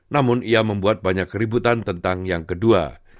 namun ia membuat banyak keributan tentang yang kedua